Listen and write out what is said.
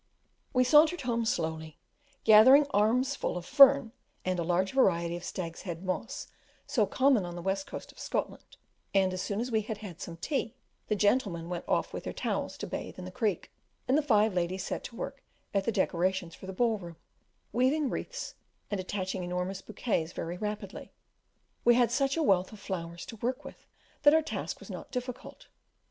We sauntered home slowly, gathering armfuls of, fern and a large variety of a stag's head moss so common on the west coast of Scotland; and as soon as we had had some tea, the gentlemen went off with their towels to bathe in the creek, and the five ladies set to work at the decorations for the ball room, weaving wreaths and arranging enormous bouquets very rapidly: we had such a wealth of flowers to work with that our task was not difficult.